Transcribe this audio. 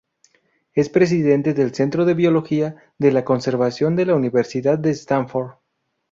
Es presidente del Centro de Biología de la Conservación de la Universidad de Stanford.